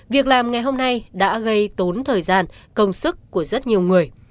việc làm ngày hôm nay đã gây tốn thời gian công sức của rất nhiều người